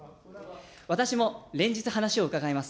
私も連日話を伺います。